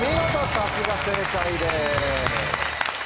さすが正解です。